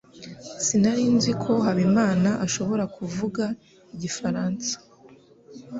Sinari nzi ko Habimana ashobora kuvuga igifaransa.